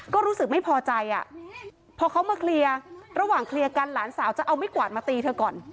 ก็รู้สึกไม่พอใจอ่ะพอเขามาเคลียร์ระหว่างเคลียร์กันหลานสาวจะเอาไม่กวาดมาตีเธอก่อน